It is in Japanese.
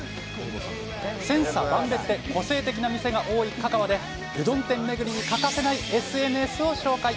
千差万別で個性的な店が多い香川で、うどん店巡りに欠かせないＳＮＳを紹介。